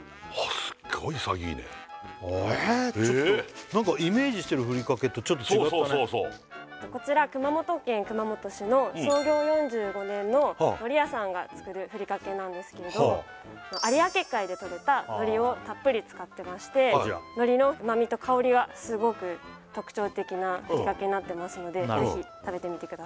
すごい潔いねちょっと何かイメージしてるふりかけとちょっと違ったねこちら熊本県熊本市の創業４５年ののり屋さんが作るふりかけなんですけれど有明海でとれたのりをたっぷり使ってましてのりの旨みと香りはすごく特徴的なふりかけになってますのでぜひ食べてみてください